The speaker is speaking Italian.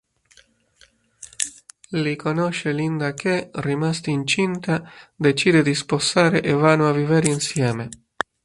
Lì conosce Linda che, rimasta incinta, decide di sposare e vanno a vivere insieme.